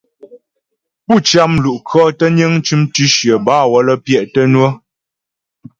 Pú cyǎ mlu'kʉɔ̌ tə́ niŋ cʉm tʉ̌shyə bâ waə́lə́ pyɛ' tə́ ŋwə̌.